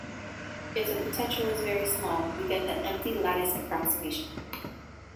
If the potential is very small we get the Empty Lattice Approximation.